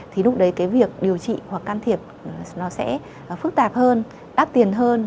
thì lúc đấy việc điều trị hoặc can thiệp sẽ phức tạp hơn đắt tiền hơn